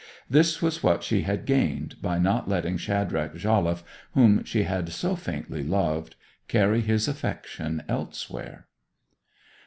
This was what she had gained by not letting Shadrach Jolliffe, whom she had so faintly loved, carry his affection elsewhere.